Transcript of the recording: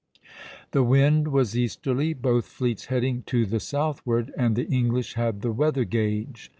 r). The wind was easterly, both fleets heading to the southward, and the English had the weather gage.